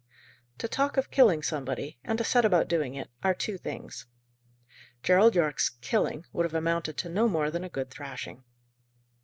To talk of killing somebody, and to set about doing it, are two things. Gerald Yorke's "killing" would have amounted to no more than a good thrashing.